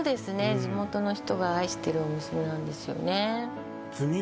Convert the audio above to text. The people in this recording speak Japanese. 地元の人が愛してるお店なんですよね